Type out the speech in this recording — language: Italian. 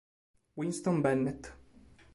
Winston Bennett